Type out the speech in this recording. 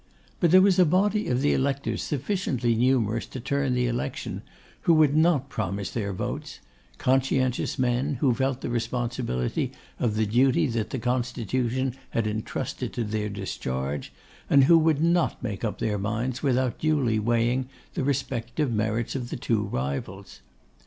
But there was a body of the electors sufficiently numerous to turn the election, who would not promise their votes: conscientious men who felt the responsibility of the duty that the constitution had entrusted to their discharge, and who would not make up their minds without duly weighing the respective merits of the two rivals.